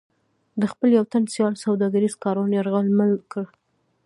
د خپل یو تن سیال سوداګریز کاروان یرغمل کړ.